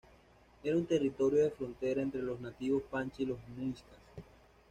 Era una territorio de frontera entre los nativos Panches y los Muiscas.